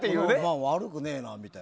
悪くねえなみたいな。